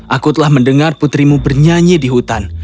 aku telah mendengar putrimu bernyanyi di hutan